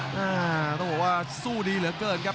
ต้องบอกว่าสู้ดีเหลือเกินครับ